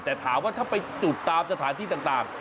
แต่ถามว่าถ้าไปจุดตามสถานที่ต่าง